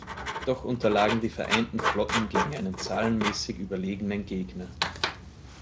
Doch unterlagen die vereinten Flotten gegen einen zahlenmäßig überlegenen Gegner.